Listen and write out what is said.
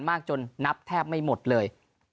มากจนนับแทบไม่หมดเลย